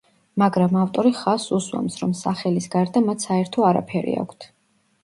მაგრამ ავტორი ხაზს უსვამს, რომ სახელის გარდა მათ საერთო არაფერი აქვთ.